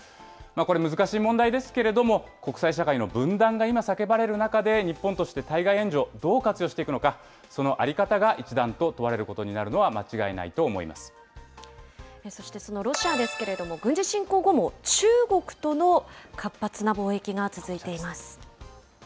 これ、難しい問題ですけれども、国際社会の分断が今叫ばれる中で、日本として対外援助、どう活用していくのか、その在り方が一段と問われることになるのは間違いなそしてそのロシアですけれども、軍事侵攻後も中国との活発な貿易が続いています。